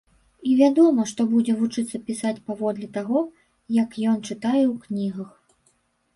І вядома, што будзе вучыцца пісаць паводле таго, як ён чытае ў кнігах.